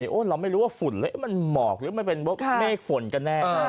เราไม่รู้ว่าฝุ่นมันหมอกหรือมันเป็นพวกเมฆฝนกันแน่